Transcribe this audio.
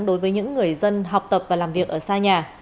đối với những người dân học tập và làm việc ở xa nhà